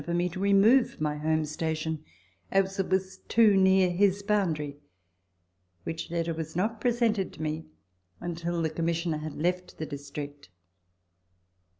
for me to remove my home station, as it was too near his boundary, which letter was not presented to me until the Commissioner had left the district.